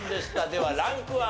ではランクは？